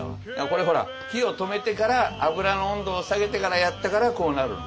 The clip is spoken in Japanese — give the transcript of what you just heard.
これほら火を止めてから油の温度を下げてからやったからこうなる。